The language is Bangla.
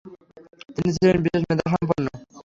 তিনি ছিলেন বিশেষ মেধাসম্পন্ন।